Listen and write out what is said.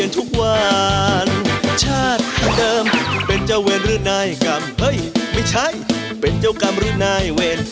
สวัสดีครับ